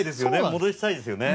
戻したいですよね。